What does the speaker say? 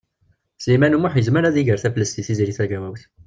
Sliman U Muḥ yezmer ad iger taflest deg Tiziri Tagawawt.